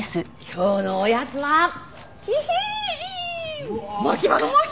今日のおやつはヒヒン！